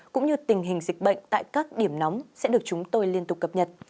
cũng như tình hình dịch bệnh tại các điểm nóng sẽ được chúng tôi liên tục cập nhật